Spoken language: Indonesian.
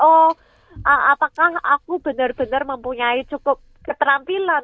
oh apakah aku benar benar mempunyai cukup keterampilan